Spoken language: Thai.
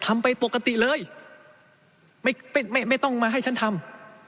ทำไปปกติเลยไม่ไม่ต้องมาให้ฉันทำ